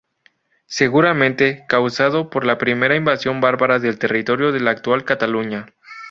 Seguramente causado por la primera invasión bárbara del territorio de la actual Cataluña.